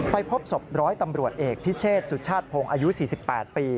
พบศพร้อยตำรวจเอกพิเชษสุชาติพงศ์อายุ๔๘ปี